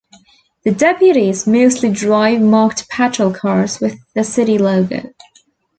The deputies mostly drive marked patrol cars with the city logo.